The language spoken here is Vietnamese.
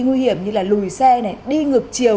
nguy hiểm như là lùi xe đi ngược chiều